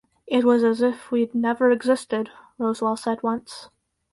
'It was as if we'd never existed' Rosewall said once.